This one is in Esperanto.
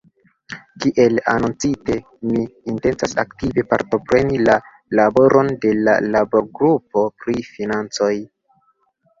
Kiel anoncite, mi intencas aktive partopreni la laboron de la laborgrupo pri financoj.